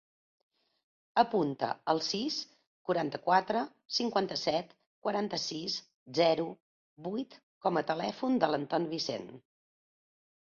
Apunta el sis, quaranta-quatre, cinquanta-set, quaranta-sis, zero, vuit com a telèfon de l'Anton Vicent.